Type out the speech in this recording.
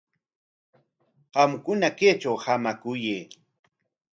Qamkuna kaytraw hamakuyay.